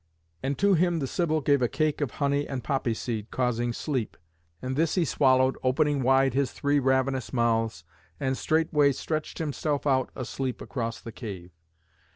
And to him the Sibyl gave a cake of honey and poppy seed, causing sleep. And this he swallowed, opening wide his three ravenous mouths, and straightway stretched himself out asleep across the cave.